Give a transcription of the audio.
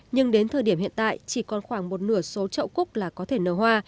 nhưng đến thời điểm hiện tại chỉ còn khoảng một nửa số trậu cúc là có thể nở hoa